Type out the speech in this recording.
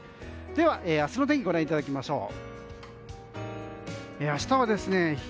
では、明日の天気ご覧いただきましょう。